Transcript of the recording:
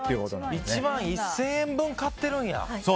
１万１０００円分買ってるんや。